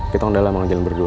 kita undalah mau jalan berdua